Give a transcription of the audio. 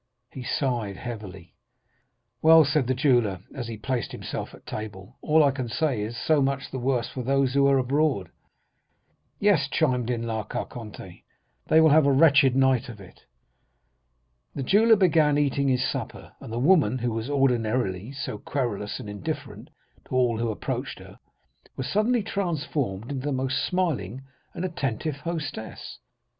He sighed heavily. "'Well,' said the jeweller, as he placed himself at table, 'all I can say is, so much the worse for those who are abroad.' "'Yes,' chimed in La Carconte, 'they will have a wretched night of it.' "The jeweller began eating his supper, and the woman, who was ordinarily so querulous and indifferent to all who approached her, was suddenly transformed into the most smiling and attentive hostess.